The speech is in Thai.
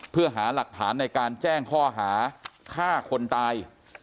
เพื่อหาหลักฐานในการแจ้งข้อหาฆ่าคนตาย